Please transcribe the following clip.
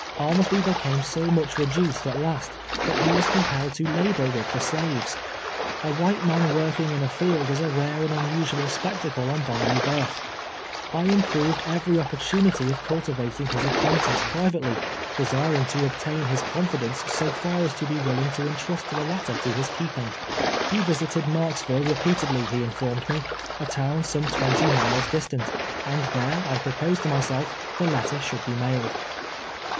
Armsby became so much reduced at last, that he was compelled to labor with the slaves. A white man working in the field is a rare and unusual spectacle on Bayou Boeuf. I improved every oppor tunity of cultivating his acquaintance privately, de siring to ol)tain his confidence so tar as to be willing to intrust the letter to his keeping. lie visited Marks ville repeatedly, he informed me, a town some twenty miles distant, and there, I proposed to myself, the let ter should be mailed.